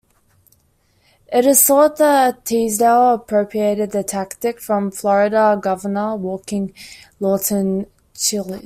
It is thought that Teasdale appropriated the tactic from Florida Governor Walkin' Lawton Chiles.